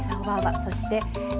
そしてえ。